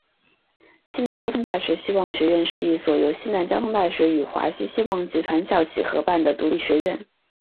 西南交通大学希望学院是一所由西南交通大学与华西希望集团校企合办的独立学院。